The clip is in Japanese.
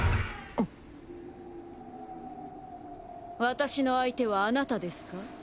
私の相手はあなたですか？